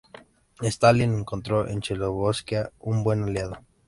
Stalin encontró en Checoslovaquia un buen aliado.